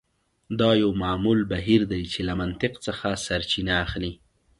دا یو معمول بهیر دی چې له منطق څخه سرچینه اخلي